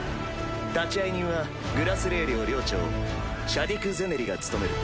立会人はグラスレー寮寮長シャディク・ゼネリが務める。